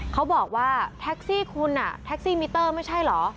เขาบอกว่าแท็กซี่คุณแท็กซี่มิเตอร์ไม่ใช่เหรอ